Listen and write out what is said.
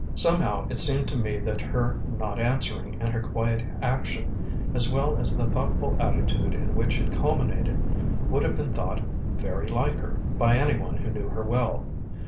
Somehow it seemed to me that her not answering, and her quiet action, as well as the thoughtful attitude in which it culminated, would have been thought "very like her" by any one who knew her well.